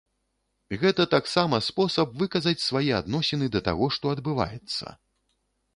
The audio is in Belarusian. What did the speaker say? Гэта таксама спосаб выказаць свае адносіны да таго, што адбываецца.